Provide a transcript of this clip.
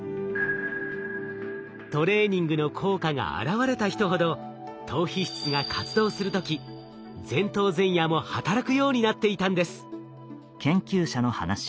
トレーニングの効果が現れた人ほど島皮質が活動する時前頭前野も働くようになっていたんです。